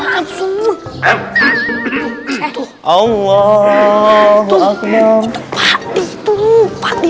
langsung tiktok soalnya absolutely allah mma hai galera itup hati tuhan